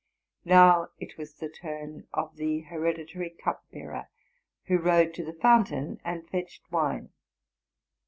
Now it was the turn of the hereditary cup bearer. who rode to the fountain and fetched wine.